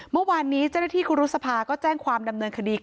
เมื่อวานนี้เจ้าหน้าที่ครูรุษภาก็แจ้งความดำเนินคดี